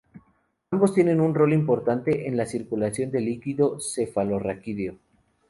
Ambos tienen un rol importante en la circulación del líquido cefalorraquídeo.